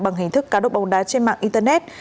bằng hình thức cá độ bóng đá trên mạng internet